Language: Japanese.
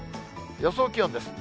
予想気温です。